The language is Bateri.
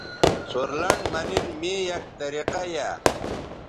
سورلنڈ مہ نِن می یک طریقہ یائ